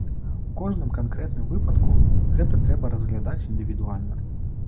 У кожным канкрэтным выпадку гэта трэба разглядаць індывідуальна.